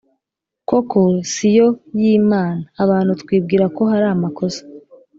koko siyo y’imana ! abantu twibwira ko hari amakosa